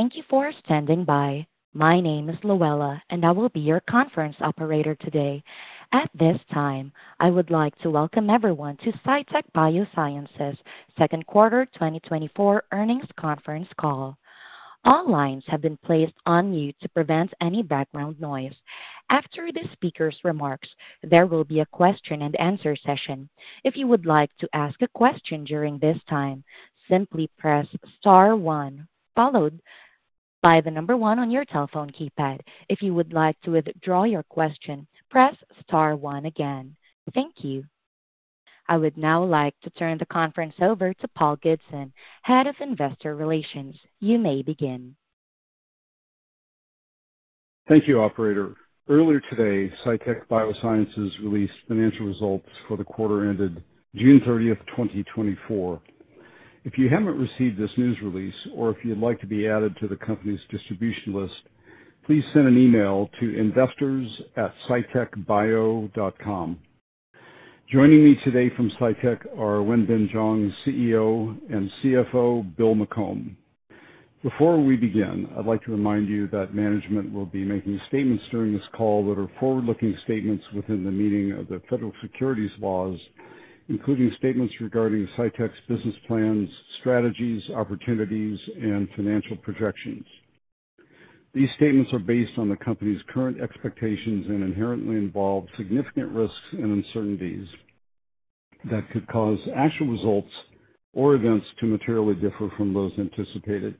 Thank you for standing by. My name is Luella, and I will be your conference operator today. At this time, I would like to welcome everyone to Cytek Biosciences second quarter 2024 earnings conference call. All lines have been placed on mute to prevent any background noise. After the speaker's remarks, there will be a question-and-answer session. If you would like to ask a question during this time, simply press star one, followed by the number one on your telephone keypad. If you would like to withdraw your question, press star one again. Thank you. I would now like to turn the conference over to Paul Gibson, Head of Investor Relations. You may begin. Thank you, operator. Earlier today, Cytek Biosciences released financial results for the quarter ended June 30, 2024. If you haven't received this news release or if you'd like to be added to the company's distribution list, please send an email to investors@cytekbio.com. Joining me today from Cytek are Wenbin Jiang, CEO, and CFO, Bill McComb. Before we begin, I'd like to remind you that management will be making statements during this call that are forward-looking statements within the meaning of the federal securities laws, including statements regarding Cytek's business plans, strategies, opportunities, and financial projections. These statements are based on the company's current expectations and inherently involve significant risks and uncertainties that could cause actual results or events to materially differ from those anticipated.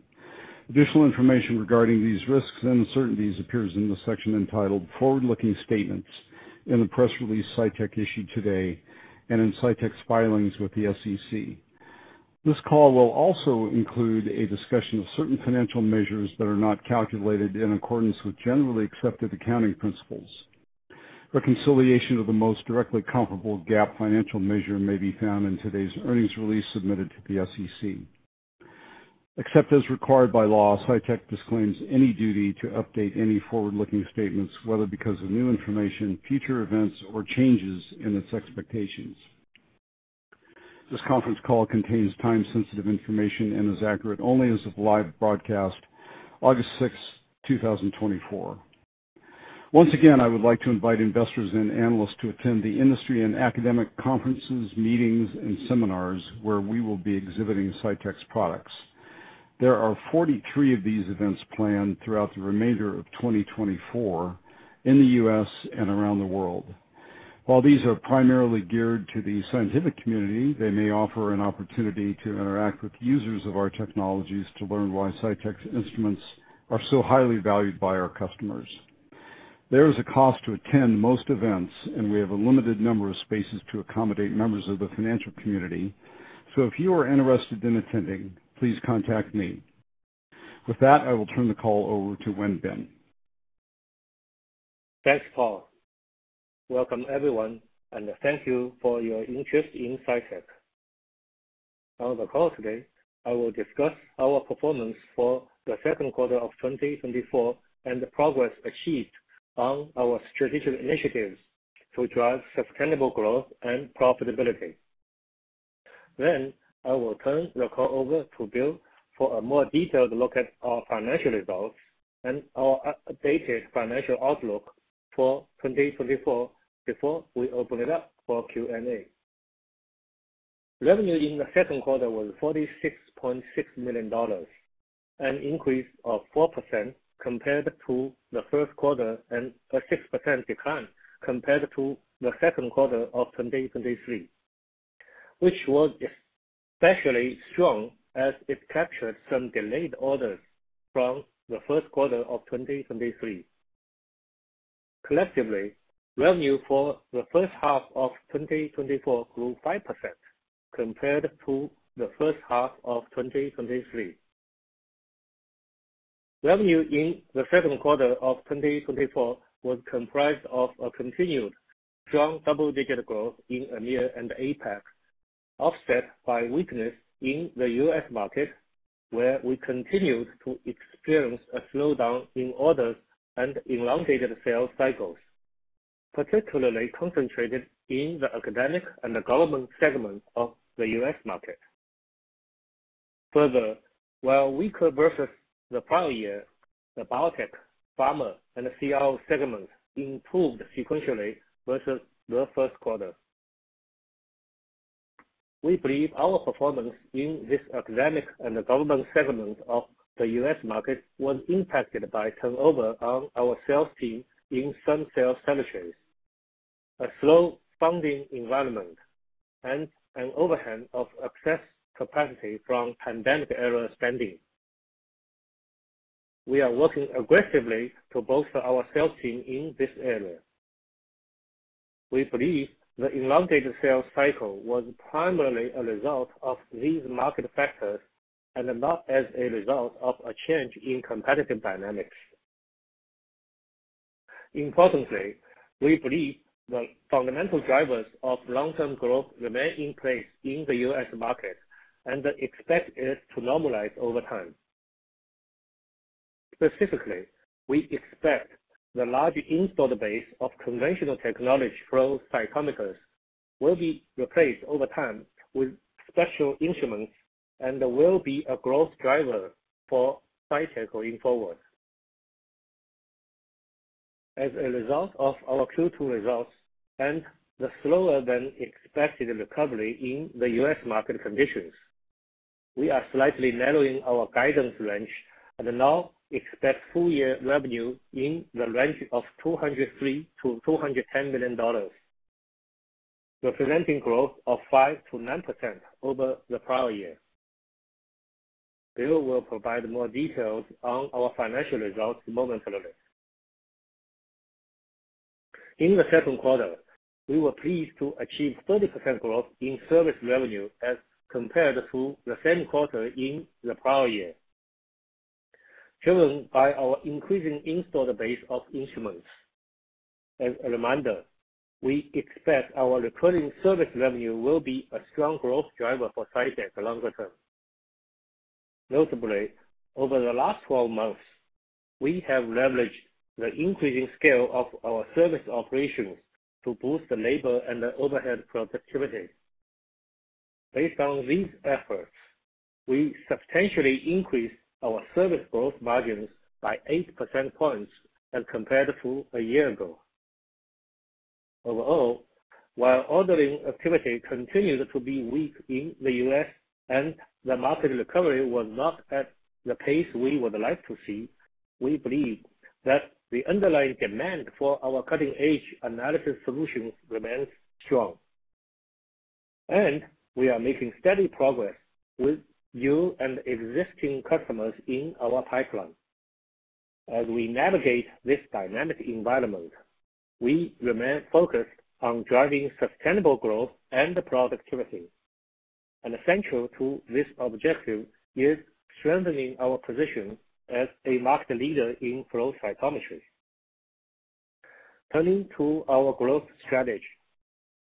Additional information regarding these risks and uncertainties appears in the section entitled Forward-Looking Statements in the press release Cytek issued today and in Cytek's filings with the SEC. This call will also include a discussion of certain financial measures that are not calculated in accordance with generally accepted accounting principles. Reconciliation of the most directly comparable GAAP financial measure may be found in today's earnings release submitted to the SEC. Except as required by law, Cytek disclaims any duty to update any forward-looking statements, whether because of new information, future events, or changes in its expectations. This conference call contains time-sensitive information and is accurate only as of live broadcast, August 6, 2024. Once again, I would like to invite investors and analysts to attend the industry and academic conferences, meetings, and seminars, where we will be exhibiting Cytek's products. There are 43 of these events planned throughout the remainder of 2024 in the U.S. and around the world. While these are primarily geared to the scientific community, they may offer an opportunity to interact with users of our technologies to learn why Cytek's instruments are so highly valued by our customers. There is a cost to attend most events, and we have a limited number of spaces to accommodate members of the financial community, so if you are interested in attending, please contact me. With that, I will turn the call over to Wenbin. Thanks, Paul. Welcome, everyone, and thank you for your interest in Cytek. On the call today, I will discuss our performance for the second quarter of 2024 and the progress achieved on our strategic initiatives to drive sustainable growth and profitability. Then I will turn the call over to Bill for a more detailed look at our financial results and our updated financial outlook for 2024 before we open it up for Q&A. Revenue in the second quarter was $46.6 million, an increase of 4% compared to the first quarter and a 6% decline compared to the second quarter of 2023, which was especially strong as it captured some delayed orders from the first quarter of 2023. Collectively, revenue for the first half of 2024 grew 5% compared to the first half of 2023. Revenue in the second quarter of 2024 was comprised of a continued strong double-digit growth in EMEA and APAC, offset by weakness in the U.S. market, where we continued to experience a slowdown in orders and elongated sales cycles, particularly concentrated in the academic and the government segment of the U.S. market. Further, while weaker versus the prior year, the biotech, pharma, and the CRO segments improved sequentially versus the first quarter. We believe our performance in this academic and the government segment of the U.S. market was impacted by turnover on our sales team in some sales territories, a slow funding environment, and an overhang of excess capacity from pandemic-era spending. We are working aggressively to bolster our sales team in this area. We believe the elongated sales cycle was primarily a result of these market factors and not as a result of a change in competitive dynamics. Importantly, we believe the fundamental drivers of long-term growth remain in place in the U.S. market and expect it to normalize over time. Specifically, we expect the large installed base of conventional technology flow cytometers will be replaced over time with spectral instruments and will be a growth driver for Cytek going forward. As a result of our Q2 results and the slower than expected recovery in the U.S. market conditions, we are slightly narrowing our guidance range and now expect full year revenue in the range of $203 million-$210 million, representing 5%-9% growth over the prior year. Bill will provide more details on our financial results momentarily. In the second quarter, we were pleased to achieve 30% growth in service revenue as compared to the same quarter in the prior year, driven by our increasing installed base of instruments. As a reminder, we expect our recurring service revenue will be a strong growth driver for Cytek longer term. Notably, over the last 12 months, we have leveraged the increasing scale of our service operations to boost the labor and overhead productivity. Based on these efforts, we substantially increased our service gross margins by 8 percentage points as compared to a year ago. Overall, while ordering activity continued to be weak in the U.S. and the market recovery was not at the pace we would like to see, we believe that the underlying demand for our cutting-edge analysis solution remains strong, and we are making steady progress with new and existing customers in our pipeline. As we navigate this dynamic environment, we remain focused on driving sustainable growth and productivity. Essential to this objective is strengthening our position as a market leader in flow cytometry. Turning to our growth strategy.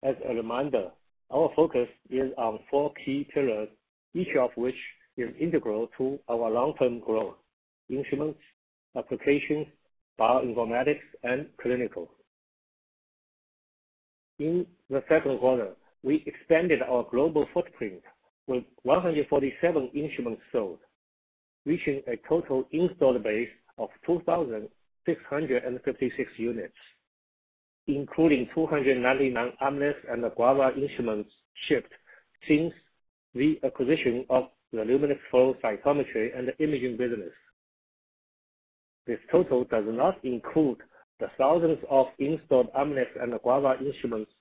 As a reminder, our focus is on four key pillars, each of which is integral to our long-term growth: instruments, applications, bioinformatics, and clinical. In the second quarter, we expanded our global footprint with 147 instruments sold, reaching a total installed base of 2,656 units, including 299 Amnis and Guava instruments shipped since the acquisition of the Luminex flow cytometry and imaging business. This total does not include the thousands of installed Amnis and Guava instruments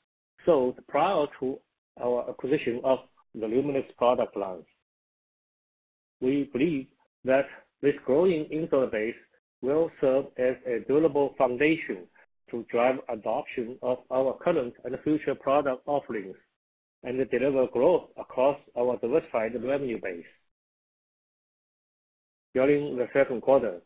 sold prior to our acquisition of the Luminex product lines. We believe that this growing installed base will serve as a durable foundation to drive adoption of our current and future product offerings and deliver growth across our diversified revenue base. During the second quarter,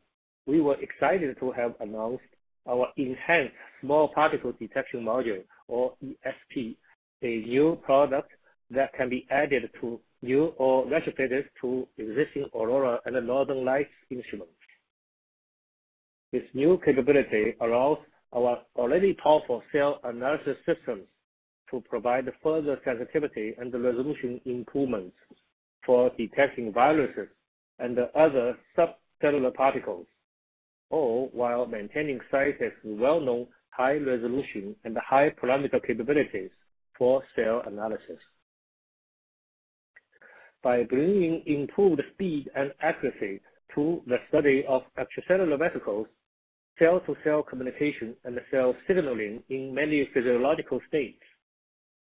we were excited to have announced our Enhanced Small Particle detection module, or ESP, a new product that can be added to new or retrofitted to existing Aurora and Northern Lights instruments. This new capability allows our already powerful cell analysis systems to provide further sensitivity and resolution improvements for detecting viruses and other subcellular particles, all while maintaining Cytek's well-known high resolution and high parameter capabilities for cell analysis. By bringing improved speed and accuracy to the study of extracellular vesicles, cell-to-cell communication, and cell signaling in many physiological states,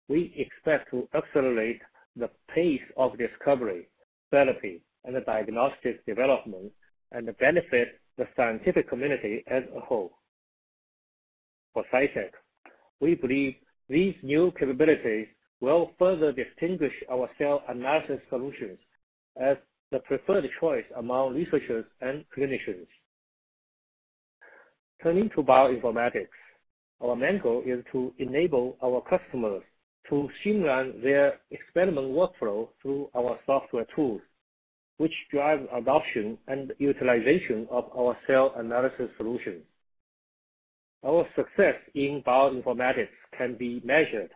we expect to accelerate the pace of discovery, therapy, and diagnostic development, and benefit the scientific community as a whole. For Cytek, we believe these new capabilities will further distinguish our cell analysis solutions as the preferred choice among researchers and clinicians. Turning to bioinformatics. Our main goal is to enable our customers to streamline their experiment workflow through our software tools, which drive adoption and utilization of our cell analysis solutions. Our success in bioinformatics can be measured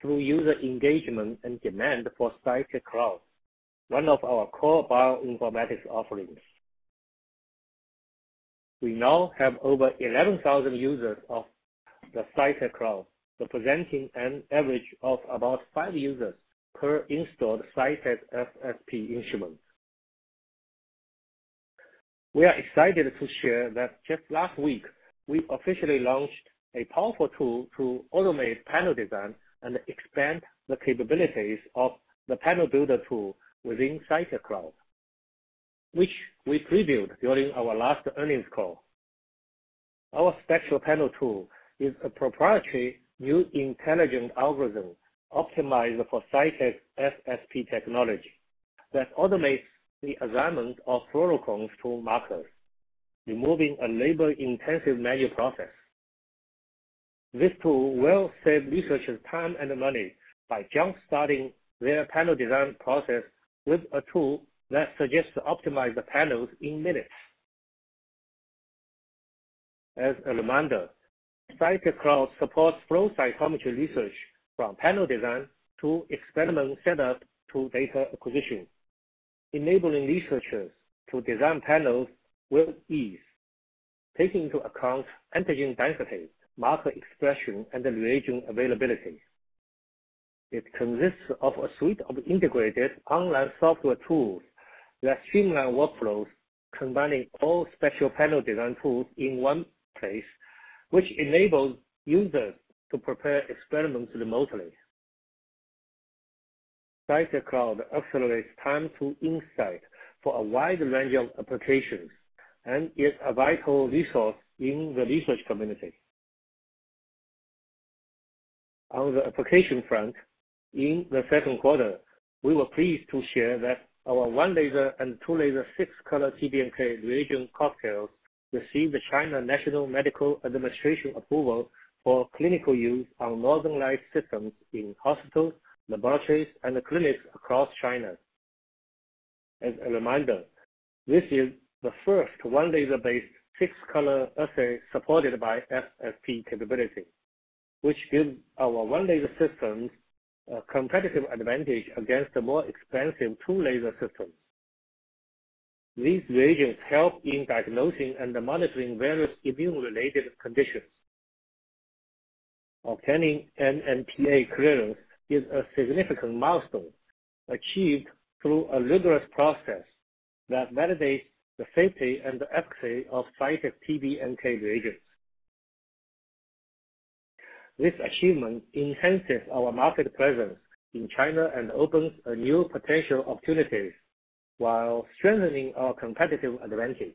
through user engagement and demand for Cytek Cloud, one of our core bioinformatics offerings. We now have over 11,000 users of the Cytek Cloud, representing an average of about five users per installed Cytek FSP instrument. We are excited to share that just last week, we officially launched a powerful tool to automate panel design and expand the capabilities of the Panel Builder tool within Cytek Cloud, which we previewed during our last earnings call. Our SpectroPanel tool is a proprietary new intelligent algorithm optimized for Cytek's FSP technology that automates the assignment of fluorochromes to markers, removing a labor-intensive manual process. This tool will save researchers time and money by jumpstarting their panel design process with a tool that suggests to optimize the panels in minutes. As a reminder, Cytek Cloud supports flow cytometry research from panel design, to experiment setup, to data acquisition, enabling researchers to design panels with ease, taking into account antigen density, marker expression, and reagent availability. It consists of a suite of integrated online software tools that streamline workflows, combining all SpectroPanel design tools in one place, which enables users to prepare experiments remotely. Cytek Cloud accelerates time to insight for a wide range of applications, and is a vital resource in the research community. On the application front, in the second quarter, we were pleased to share that our one laser and two laser six-color TBNK reagent cocktails received the National Medical Products Administration approval for clinical use on Northern Lights systems in hospitals, laboratories, and clinics across China. As a reminder, this is the first one laser-based, six-color assay supported by FSP capability, which gives our one laser systems a competitive advantage against the more expensive two-laser systems. These reagents help in diagnosing and monitoring various immune-related conditions. Obtaining NMPA clearance is a significant milestone, achieved through a rigorous process that validates the safety and efficacy of Cytek TBNK reagents. This achievement enhances our market presence in China and opens a new potential opportunities while strengthening our competitive advantage.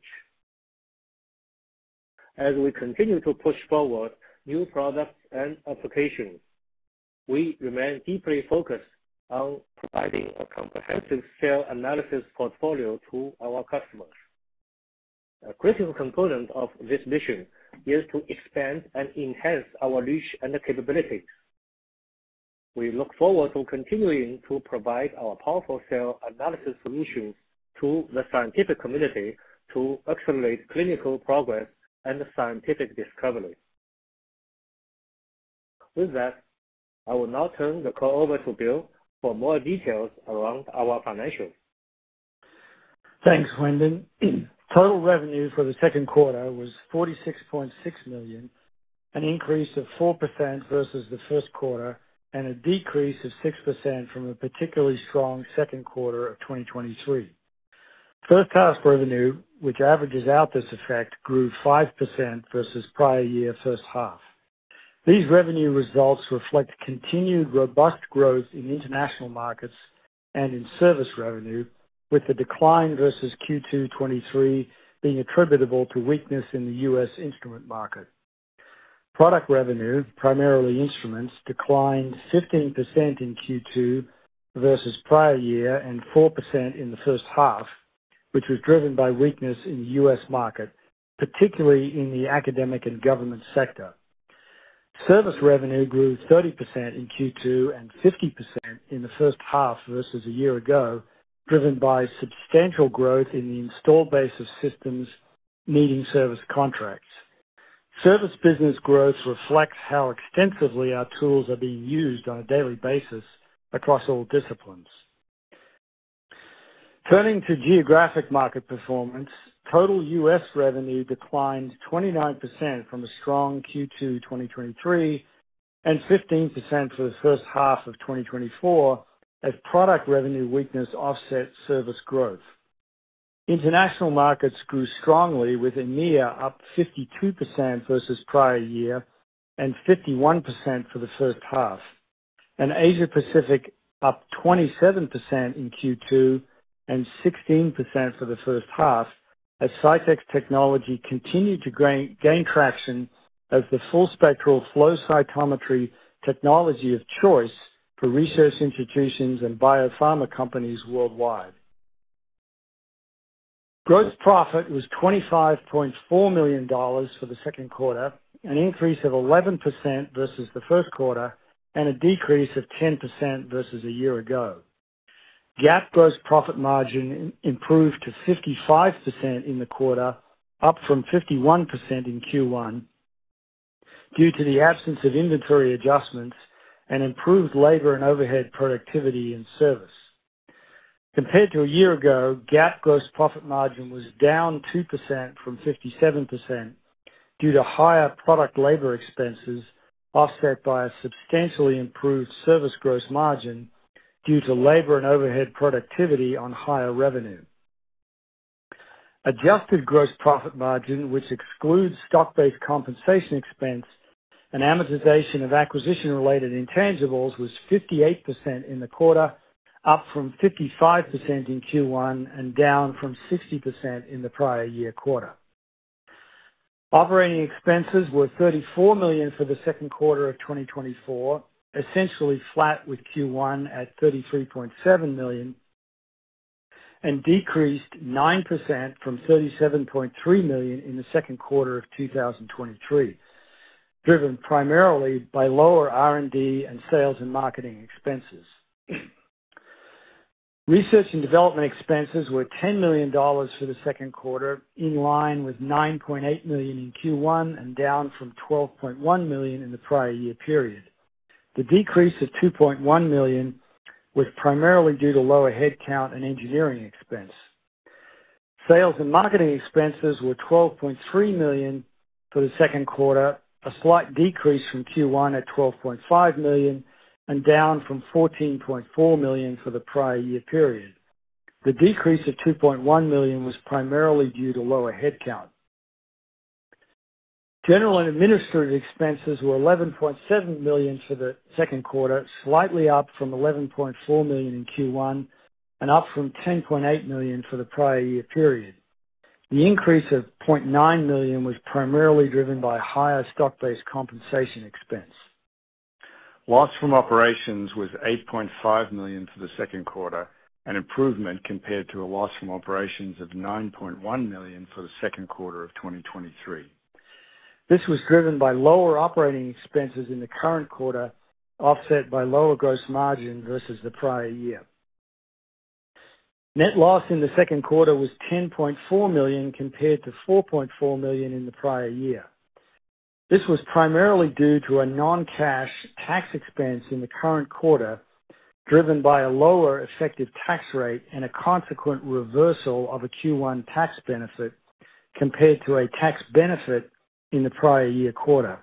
As we continue to push forward new products and applications, we remain deeply focused on providing a comprehensive cell analysis portfolio to our customers. A critical component of this mission is to expand and enhance our reach and capabilities. We look forward to continuing to provide our powerful cell analysis solutions to the scientific community to accelerate clinical progress and scientific discovery. With that, I will now turn the call over to Bill for more details around our financials. Thanks, Wenbin. Total revenue for the second quarter was $46.6 million, an increase of 4% versus the first quarter, and a decrease of 6% from a particularly strong second quarter of 2023. First half revenue, which averages out this effect, grew 5% versus prior year first half. These revenue results reflect continued robust growth in international markets and in service revenue, with the decline versus Q2 2023 being attributable to weakness in the U.S. instrument market. Product revenue, primarily instruments, declined 15% in Q2 versus prior year, and 4% in the first half, which was driven by weakness in the U.S. market, particularly in the academic and government sector. Service revenue grew 30% in Q2, and 50% in the first half versus a year ago, driven by substantial growth in the installed base of systems needing service contracts. Service business growth reflects how extensively our tools are being used on a daily basis across all disciplines. Turning to geographic market performance, total U.S. revenue declined 29% from a strong Q2 2023, and 15% for the first half of 2024, as product revenue weakness offset service growth. International markets grew strongly, with EMEA up 52% versus prior year, and 51% for the first half, and Asia Pacific up 27% in Q2, and 16% for the first half, as Cytek technology continued to gain traction as the full spectral flow cytometry technology of choice for research institutions and biopharma companies worldwide. Gross profit was $25.4 million for the second quarter, an increase of 11% versus the first quarter, and a decrease of 10% versus a year ago. GAAP gross profit margin improved to 55% in the quarter, up from 51% in Q1, due to the absence of inventory adjustments and improved labor and overhead productivity in service. Compared to a year ago, GAAP gross profit margin was down 2% from 57% due to higher product labor expenses, offset by a substantially improved service gross margin due to labor and overhead productivity on higher revenue. Adjusted gross profit margin, which excludes stock-based compensation expense and amortization of acquisition-related intangibles, was 58% in the quarter, up from 55% in Q1, and down from 60% in the prior year quarter. Operating expenses were $34 million for the second quarter of 2024, essentially flat with Q1 at $33.7 million. decreased 9% from $37.3 million in the second quarter of 2023, driven primarily by lower R&D and sales and marketing expenses. Research and development expenses were $10 million for the second quarter, in line with $9.8 million in Q1, and down from $12.1 million in the prior year period. The decrease of $2.1 million was primarily due to lower headcount and engineering expense. Sales and marketing expenses were $12.3 million for the second quarter, a slight decrease from Q1 at $12.5 million, and down from $14.4 million for the prior year period. The decrease of $2.1 million was primarily due to lower headcount. General and administrative expenses were $11.7 million for the second quarter, slightly up from $11.4 million in Q1 and up from $10.8 million for the prior year period. The increase of $0.9 million was primarily driven by higher stock-based compensation expense. Loss from operations was $8.5 million for the second quarter, an improvement compared to a loss from operations of $9.1 million for the second quarter of 2023. This was driven by lower operating expenses in the current quarter, offset by lower gross margin versus the prior year. Net loss in the second quarter was $10.4 million, compared to $4.4 million in the prior year. This was primarily due to a non-cash tax expense in the current quarter, driven by a lower effective tax rate and a consequent reversal of a Q1 tax benefit, compared to a tax benefit in the prior year quarter,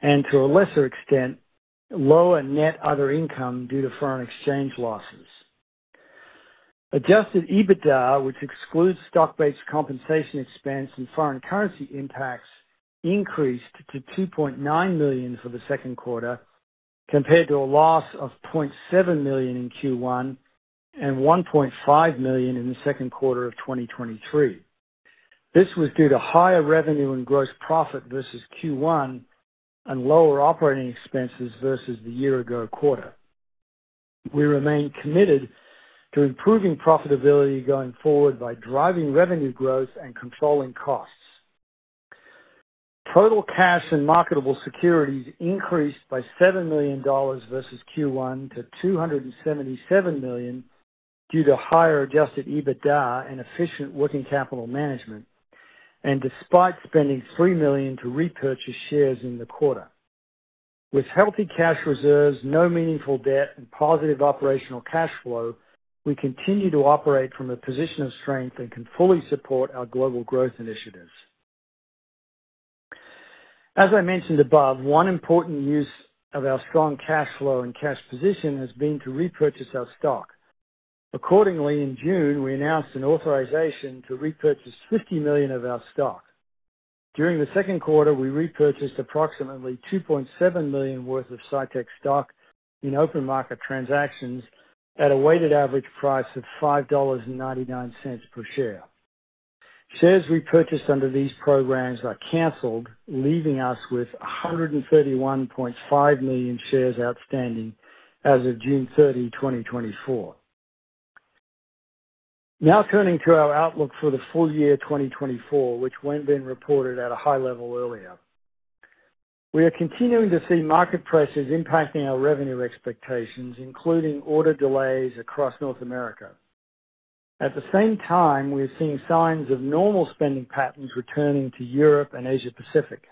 and to a lesser extent, lower net other income due to foreign exchange losses. Adjusted EBITDA, which excludes stock-based compensation expense and foreign currency impacts, increased to $2.9 million for the second quarter, compared to a loss of $0.7 million in Q1 and $1.5 million in the second quarter of 2023. This was due to higher revenue and gross profit versus Q1 and lower operating expenses versus the year-ago quarter. We remain committed to improving profitability going forward by driving revenue growth and controlling costs. Total cash and marketable securities increased by $7 million versus Q1 to $277 million due to higher Adjusted EBITDA and efficient working capital management, and despite spending $3 million to repurchase shares in the quarter. With healthy cash reserves, no meaningful debt, and positive operational cash flow, we continue to operate from a position of strength and can fully support our global growth initiatives. As I mentioned above, one important use of our strong cash flow and cash position has been to repurchase our stock. Accordingly, in June, we announced an authorization to repurchase 50 million of our stock. During the second quarter, we repurchased approximately $2.7 million worth of Cytek stock in open market transactions at a weighted average price of $5.99 per share. Shares repurchased under these programs are canceled, leaving us with 131.5 million shares outstanding as of June 30, 2024. Now, turning to our outlook for the full year 2024, which Wenbin reported at a high level earlier. We are continuing to see market pressures impacting our revenue expectations, including order delays across North America. At the same time, we are seeing signs of normal spending patterns returning to Europe and Asia Pacific.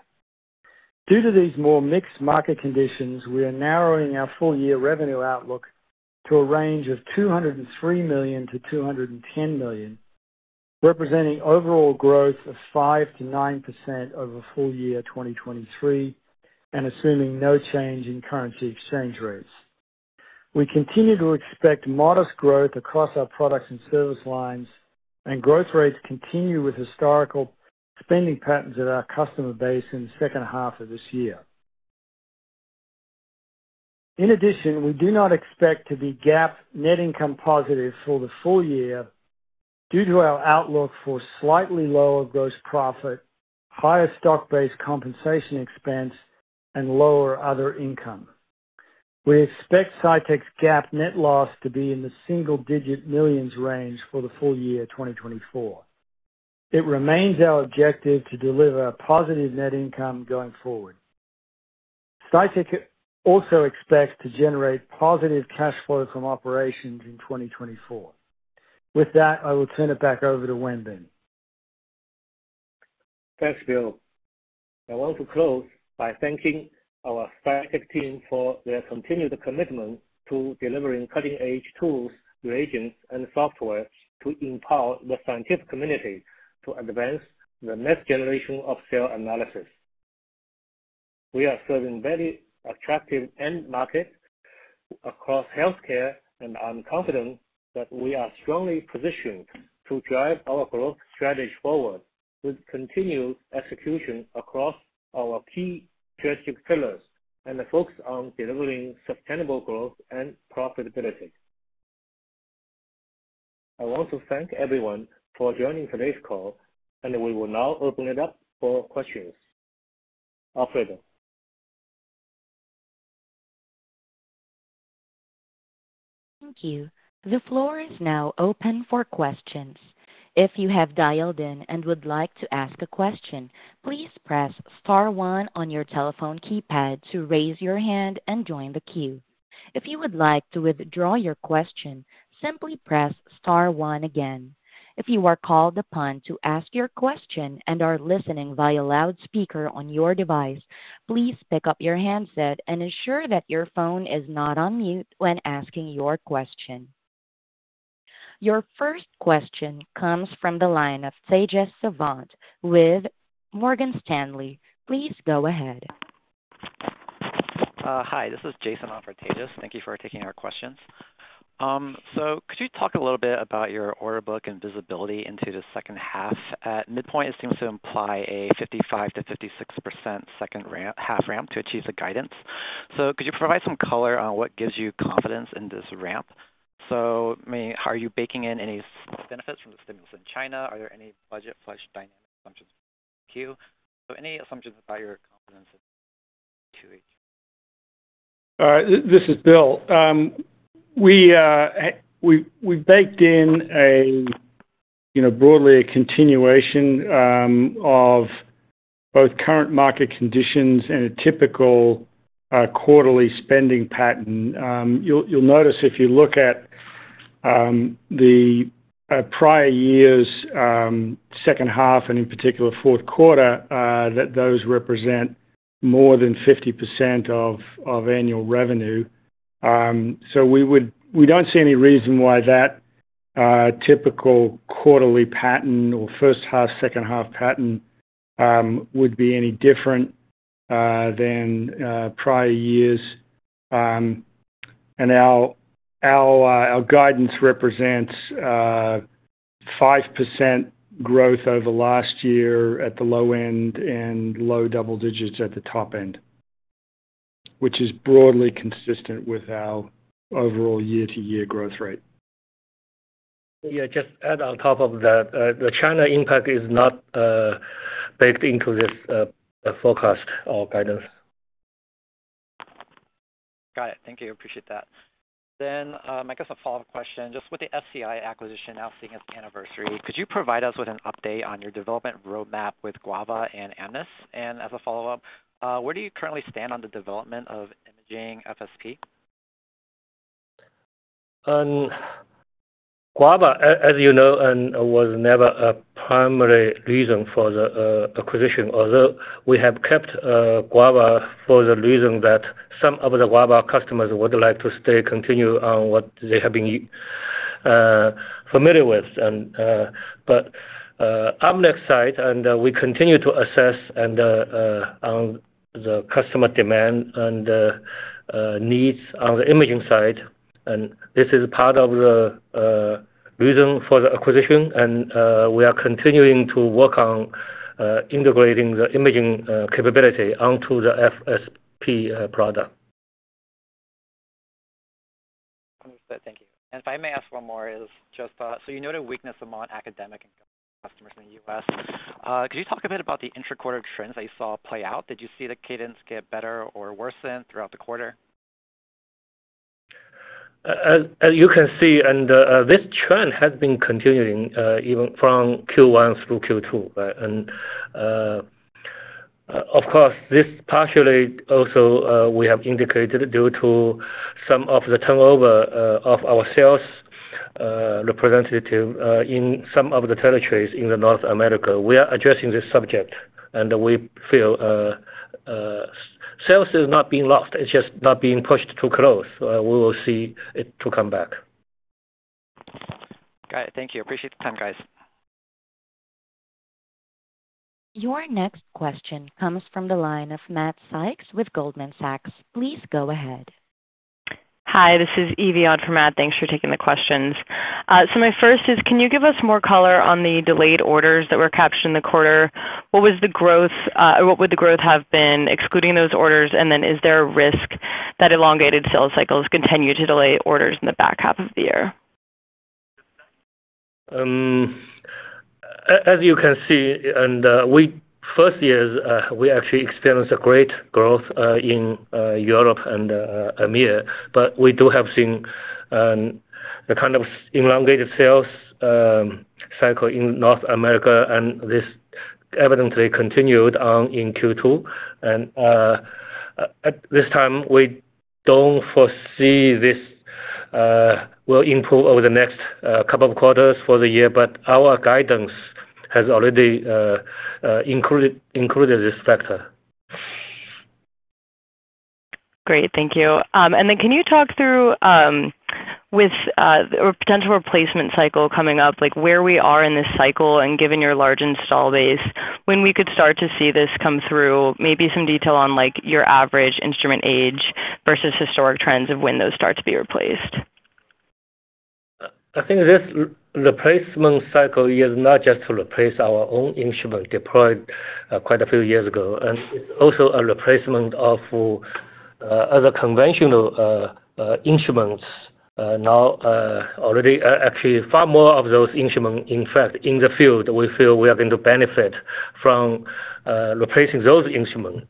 Due to these more mixed market conditions, we are narrowing our full-year revenue outlook to a range of $203 million-$210 million, representing overall growth of 5%-9% over full year 2023, and assuming no change in currency exchange rates. We continue to expect modest growth across our products and service lines, and growth rates continue with historical spending patterns at our customer base in the second half of this year. In addition, we do not expect to be GAAP net income positive for the full year due to our outlook for slightly lower gross profit, higher stock-based compensation expense, and lower other income. We expect Cytek's GAAP net loss to be in the $1-$9 million range for the full year 2024. It remains our objective to deliver a positive net income going forward. Cytek also expects to generate positive cash flow from operations in 2024. With that, I will turn it back over to Wenbin. Thanks, Bill. I want to close by thanking our Cytek team for their continued commitment to delivering cutting-edge tools, reagents, and software to empower the scientific community to advance the next generation of cell analysis. We are serving very attractive end markets across healthcare, and I'm confident that we are strongly positioned to drive our growth strategy forward with continued execution across our key strategic pillars and a focus on delivering sustainable growth and profitability. I want to thank everyone for joining today's call, and we will now open it up for questions. Operator?... Thank you. The floor is now open for questions. If you have dialed in and would like to ask a question, please press star one on your telephone keypad to raise your hand and join the queue. If you would like to withdraw your question, simply press star one again. If you are called upon to ask your question and are listening via loudspeaker on your device, please pick up your handset and ensure that your phone is not on mute when asking your question. Your first question comes from the line of Tejas Savant with Morgan Stanley. Please go ahead. Hi, this is Jason on for Tejas. Thank you for taking our questions. So could you talk a little bit about your order book and visibility into the second half? At midpoint, it seems to imply a 55%-56% second half ramp to achieve the guidance. So could you provide some color on what gives you confidence in this ramp? So, I mean, are you baking in any benefits from the stimulus in China? Are there any budget flush dynamic assumptions in Q3? So any assumptions about your confidence in Q4. This is Bill. We baked in a, you know, broadly a continuation of both current market conditions and a typical quarterly spending pattern. You'll notice if you look at the prior year's second half, and in particular, fourth quarter, that those represent more than 50% of annual revenue. So we would. We don't see any reason why that typical quarterly pattern or first half, second half pattern would be any different than prior years. And our guidance represents 5% growth over last year at the low end, and low double digits at the top end, which is broadly consistent with our overall year-to-year growth rate. Yeah, just add on top of that, the China impact is not forecast or guidance. Got it. Thank you. Appreciate that. Then, I guess a follow-up question, just with the Luminex acquisition now seeing its anniversary, could you provide us with an update on your development roadmap with Guava and Amnis? And as a follow-up, where do you currently stand on the development of imaging FSP? Guava, as you know, was never a primary reason for the acquisition. Although we have kept Guava for the reason that some of the Guava customers would like to stay, continue on what they have been familiar with. But Amnis side, we continue to assess on the customer demand and needs on the imaging side, and this is part of the reason for the acquisition, and we are continuing to work on integrating the imaging capability onto the FSP product. Understood. Thank you. And if I may ask one more, is just, so you noted a weakness among academic end customers in the U.S. Could you talk a bit about the intra-quarter trends that you saw play out? Did you see the cadence get better or worsen throughout the quarter? As you can see, this trend has been continuing even from Q1 through Q2, right? Of course, this partially also we have indicated, due to some of the turnover of our sales representative in some of the territories in North America. We are addressing this subject, and we feel sales is not being lost, it's just not being pushed to close. We will see it come back. Got it. Thank you. Appreciate the time, guys. Your next question comes from the line of Matt Sykes with Goldman Sachs. Please go ahead. Hi, this is Ivy Ma on for Matt. Thanks for taking the questions. So my first is, can you give us more color on the delayed orders that were captured in the quarter? What was the growth, what would the growth have been excluding those orders? And then is there a risk that elongated sales cycles continue to delay orders in the back half of the year? As you can see, in the first years, we actually experienced a great growth in Europe and EMEA. But we do have seen a kind of elongated sales cycle in North America, and this evidently continued on in Q2. At this time, we don't foresee this will improve over the next couple of quarters for the year, but our guidance has already included this factor. Great. Thank you. Can you talk through the potential replacement cycle coming up, like, where we are in this cycle, and given your large installed base, when we could start to see this come through? Maybe some detail on, like, your average instrument age versus historic trends of when those start to be replaced. I think this replacement cycle is not just to replace our own instrument deployed quite a few years ago, and it's also a replacement of other conventional instruments. Now, already, actually, far more of those instruments, in fact, in the field, we feel we are going to benefit from replacing those instruments?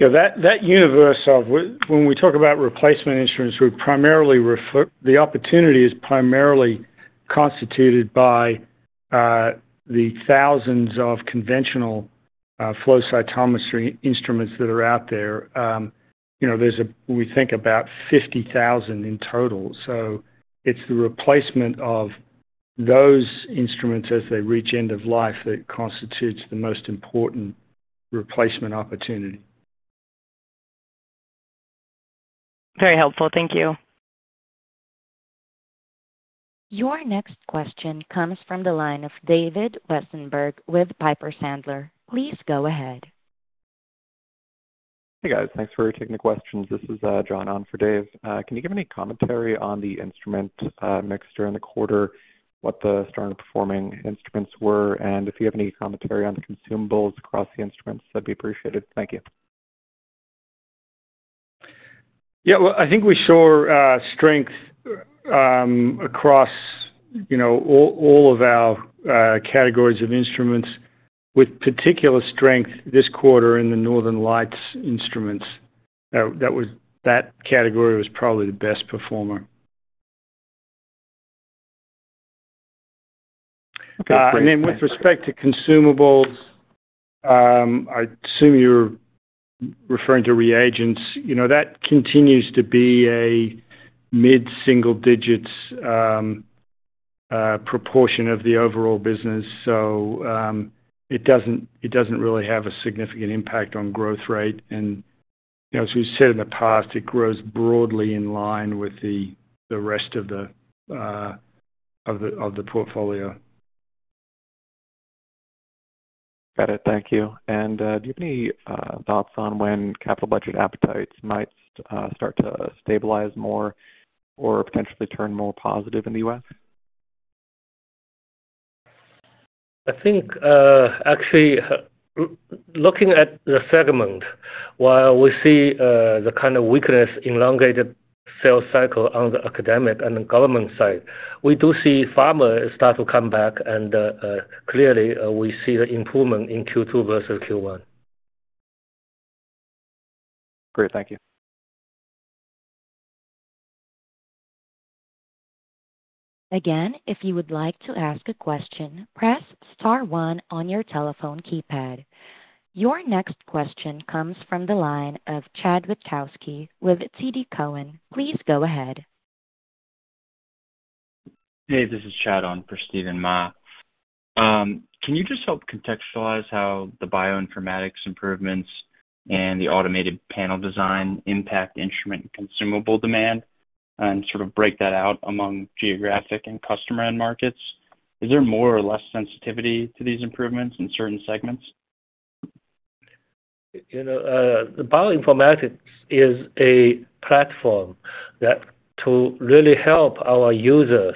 Yeah, that universe of when we talk about replacement instruments, we primarily refer, the opportunity is primarily constituted by the thousands of conventional flow cytometry instruments that are out there. You know, we think there's about 50,000 in total. So it's the replacement of those instruments as they reach end of life that constitutes the most important replacement opportunity. Very helpful. Thank you. Your next question comes from the line of David Westenberg with Piper Sandler. Please go ahead. Hey, guys. Thanks for taking the questions. This is John Sourbeer on for David Westenberg. Can you give any commentary on the instrument mixture in the quarter, what the strong performing instruments were, and if you have any commentary on the consumables across the instruments, that'd be appreciated? Thank you. Yeah, well, I think we saw strength across, you know, all, all of our categories of instruments, with particular strength this quarter in the Northern Lights instruments. That category was probably the best performer. Okay, great. And then with respect to consumables, I assume you're referring to reagents. You know, that continues to be a mid-single digits proportion of the overall business, so, it doesn't really have a significant impact on growth rate. You know, as we've said in the past, it grows broadly in line with the rest of the portfolio. Got it. Thank you. Do you have any thoughts on when capital budget appetites might start to stabilize more or potentially turn more positive in the U.S.? I think, actually, looking at the segment, while we see the kind of weakness in elongated sales cycle on the academic and the government side, we do see pharma start to come back, and clearly, we see the improvement in Q2 versus Q1. Great. Thank you. Again, if you would like to ask a question, press star one on your telephone keypad. Your next question comes from the line of Chad Wiatrowski with TD Cowen. Please go ahead. Hey, this is Chad on for Steven Mah. Can you just help contextualize how the bioinformatics improvements and the automated panel design impact instrument consumable demand and sort of break that out among geographic and customer end markets? Is there more or less sensitivity to these improvements in certain segments? You know, the bioinformatics is a platform that to really help our users,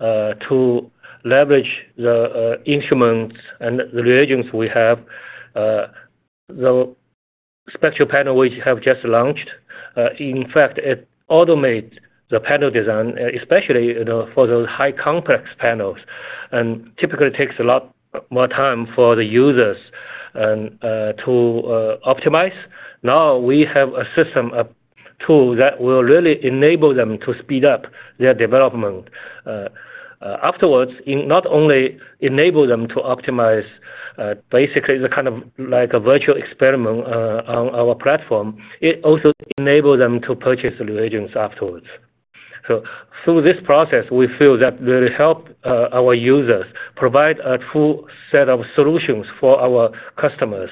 to leverage the instruments and the reagents we have, the SpectroPanel which we have just launched, in fact, it automates the panel design, especially, you know, for those high complex panels, and typically takes a lot more time for the users and to optimize. Now, we have a system, a tool, that will really enable them to speed up their development. Afterwards, it not only enable them to optimize, basically the kind of like a virtual experiment on our platform, it also enable them to purchase the reagents afterwards. So through this process, we feel that will help our users provide a full set of solutions for our customers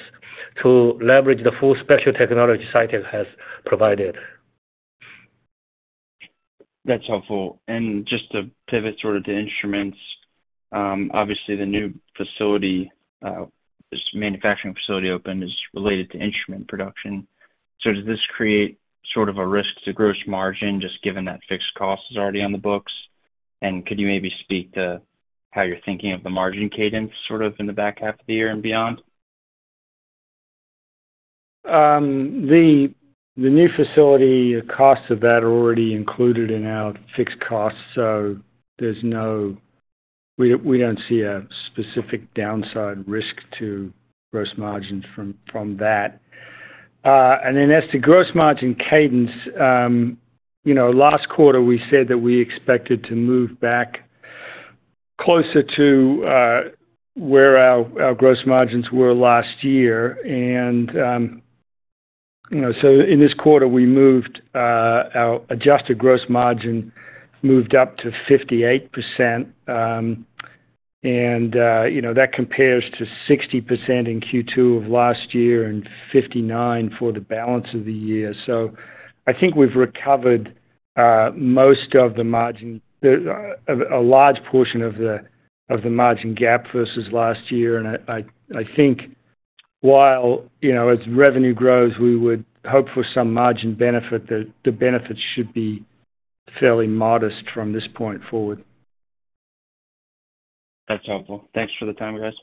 to leverage the full spectrum technology Cytek has provided. That's helpful. Just to pivot sort of to instruments, obviously, the new facility, this manufacturing facility opened is related to instrument production. So does this create sort of a risk to gross margin, just given that fixed cost is already on the books? And could you maybe speak to how you're thinking of the margin cadence, sort of in the back half of the year and beyond? The new facility costs of that are already included in our fixed costs, so there's no... We don't see a specific downside risk to gross margins from that. And then as to gross margin cadence, you know, last quarter, we said that we expected to move back closer to where our gross margins were last year. And you know, so in this quarter, our adjusted gross margin moved up to 58%, and you know, that compares to 60% in Q2 of last year and 59% for the balance of the year. So I think we've recovered most of the margin, a large portion of the margin gap versus last year. I think while, you know, as revenue grows, we would hope for some margin benefit, that the benefits should be fairly modest from this point forward. That's helpful. Thanks for the time, guys.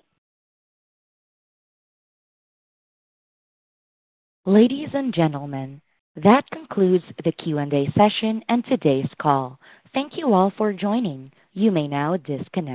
Ladies and gentlemen, that concludes the Q&A session and today's call. Thank you all for joining. You may now disconnect.